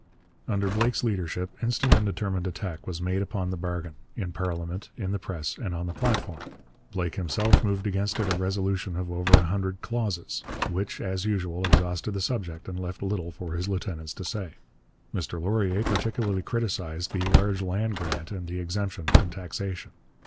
Under Blake's leadership instant and determined attack was made upon the bargain, in parliament, in the press, and on the platform. Blake himself moved against it a resolution of over a hundred clauses, which, as usual, exhausted the subject and left little for his lieutenants to say. Mr Laurier particularly criticized the large land grant and the exemption from taxation.